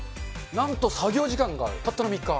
なんと作業時間がたったの３日。